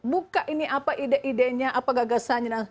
buka ini apa ide idenya apa gagasannya